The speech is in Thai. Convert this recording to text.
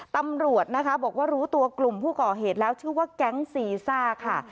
ตำรวจนะคะบอกว่ารู้ตัวกลุ่มผู้ก่อเหตุแล้วชื่อว่าแก๊งซีซ่าค่ะ